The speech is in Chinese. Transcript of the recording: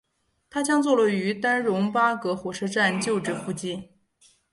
它将坐落于丹戎巴葛火车站旧址附近。